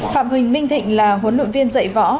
phạm huỳnh minh thịnh là huấn luyện viên dạy võ